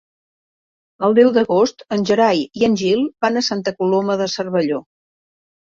El deu d'agost en Gerai i en Gil van a Santa Coloma de Cervelló.